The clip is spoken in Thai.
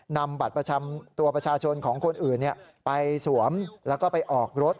นำบัตรประจำตัวประชาชนของคนอื่นไปสวมแล้วก็ไปออกรถ